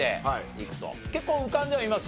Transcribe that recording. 結構浮かんではいます？